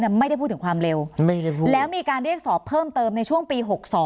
ไม่ได้พูดถึงความเร็วแล้วมีการเรียกสอบเพิ่มเติมในช่วงปี๖๒